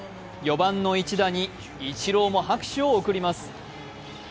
４番の一打にイチローも拍手を送ります。